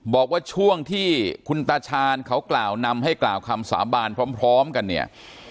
บอกว่าช่วงที่คุณตาชาญเขากล่าวนำให้กล่าวคำสาบานพร้อมกันเนี่ย